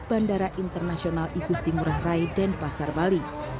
bandara internasional ikusti murah rai dan pasar bali